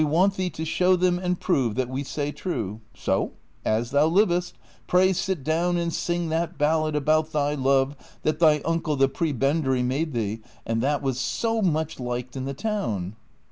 want thee to show them and prove that we say true; so, as thou livest, pray sit down and sing that ballad about thy love that thy uncle the prebendary made thee, and that was so much liked in the town."